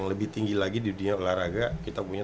lebih tinggi lagi di dunia olahraga kita punya